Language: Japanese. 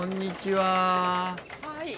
はい。